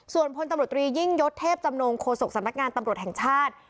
ส่วนพลตำรวจตรียิ่งยศเทพจำนงโฆษกสำนักงานตำรวจแห่งชาติ